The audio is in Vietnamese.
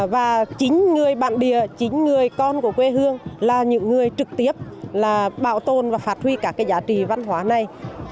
và chính người bạn địa chính người con của quê hương là những người trực tiếp là bảo tồn và phát huy các cái giá trị văn hóa này